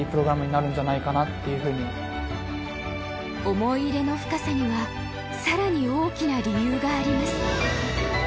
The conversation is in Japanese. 思い入れの深さには更に大きな理由があります。